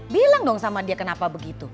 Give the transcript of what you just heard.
bilang dong sama dia kenapa begitu